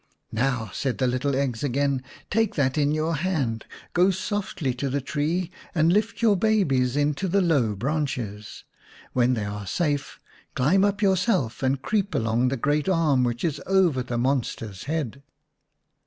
" Now," said the little eggs again, " take that in your hand, go softly to the tree and lift your babies into the low branches. When they are safe, climb up yourself and creep along the great arm which is over the monster's head."